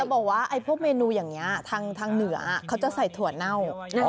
บอกว่าพวกเมนูอย่างนี้ทางเหนือเขาจะใส่ถั่วเน่า